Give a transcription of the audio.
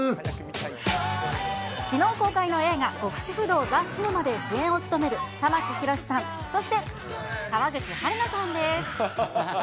きのう公開の映画、極主夫道ザ・シネマで主演を務める玉木宏さん、そして、川口春奈さんです。